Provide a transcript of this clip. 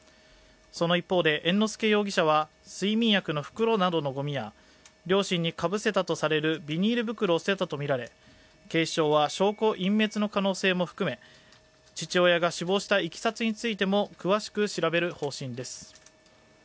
その一方で、猿之助容疑者は睡眠薬の袋などのごみや両親にかぶせたとされるビニール袋を捨てたとみられ警視庁は証拠隠滅の可能性も含め、父親が死亡したいきさつについても詳しく調べる方針です。